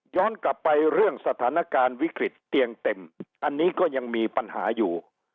กลับไปเรื่องสถานการณ์วิกฤตเตียงเต็มอันนี้ก็ยังมีปัญหาอยู่